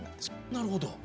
なるほど。